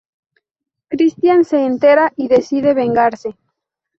Christian se entera y decide vengarse.